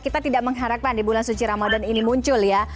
kita tidak mengharapkan di bulan suci ramadan ini muncul ya